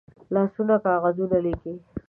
لاسونه کاغذونه لیکي